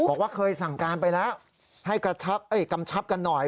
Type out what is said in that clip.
บอกว่าเคยสั่งการไปแล้วให้กระชับกันหน่อย